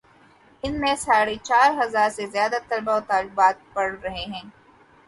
ان میں ساڑھے چار ہزار سے زیادہ طلبا و طالبات پڑھ رہے ہیں۔